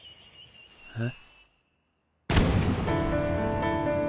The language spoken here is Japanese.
えっ？